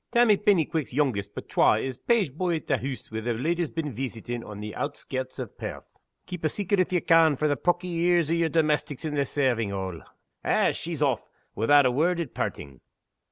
Tammy Pennyquick's youngest but twa is page boy at the hoose where the leddy's been veesitin', on the outskirts o' Pairth. Keep a secret if ye can frae the pawky ears o' yer domestics in the servants' hall! Eh! she's aff, without a word at parting!"